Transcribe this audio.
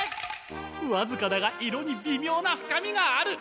わずかだが色にびみょうな深みがある！